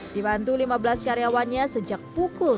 dibantu lima belas karyawannya sejak pukul